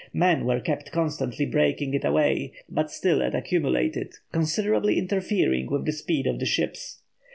Men were kept constantly breaking it away, but still it accumulated, considerably interfering with the speed of the ships.